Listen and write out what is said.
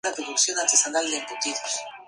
La cuestión es bastante compleja.